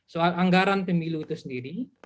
soal anggaran pemilu itu sendiri